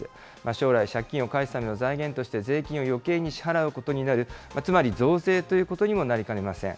将来、借金を返すための財源として、税金をよけいに支払うことになる、つまり増税ということにもなりかねません。